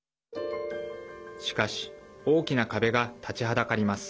しかし、大きな壁が立ちはだかります。